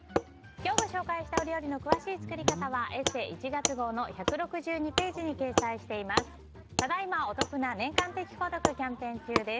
今日ご紹介したお料理の詳しい作り方は「ＥＳＳＥ」１月号の１６２ページに掲載しています。